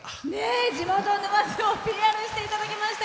地元・沼津をＰＲしていただきました。